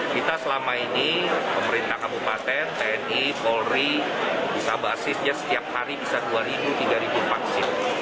kita selama ini pemerintah kabupaten tni polri bisa basisnya setiap hari bisa dua tiga vaksin